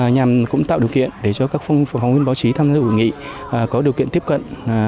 nhằm cũng tạo điều kiện để cho các phòng huyên báo chí tham gia hội nghị có điều kiện tiếp cận